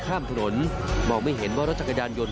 ข้ามถนนมองไม่เห็นว่ารถจักรยานยนต